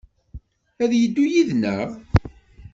A yeddu yid-neɣ?